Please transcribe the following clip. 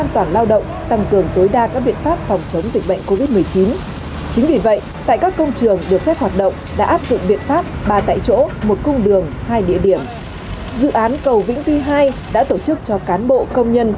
trong thời gian giãn cách xã hội dự án cầu vĩnh tuy hai đã tổ chức cho cán bộ công nhân